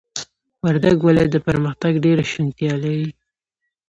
وردگ ولايت د پرمختگ ډېره شونتيا لري،